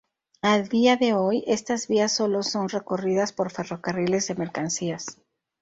A día de hoy estas vías solo son recorridas por ferrocarriles de mercancías.